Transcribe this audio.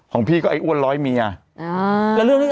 ของพี่หนุ่ม